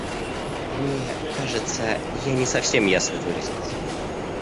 Мне кажется, я не совсем ясно выразился.